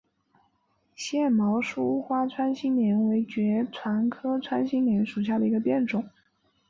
腺毛疏花穿心莲为爵床科穿心莲属下的一个变种。